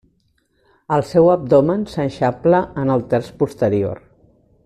El seu abdomen s'eixampla en el terç posterior.